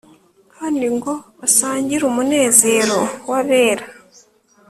kandi ngo basangirumunezero wabera